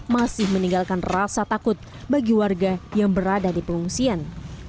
masih meninggalkan rasa takut bagi warga yang berada di pengungsian